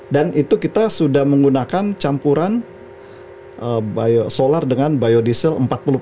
dan itu kita sudah menggunakan campuran solar dengan biodiesel empat puluh